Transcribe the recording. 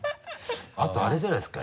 あとあれじゃないですか？